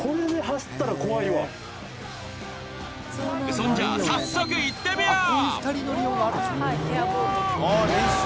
そんじゃ、早速、いってみよう！